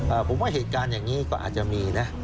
ผมว่าเหตุการณ์อย่างนี้ก็อาจจะมีนะ